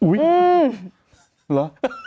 อุ๊ยหรอ